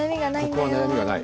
ここは悩みがない。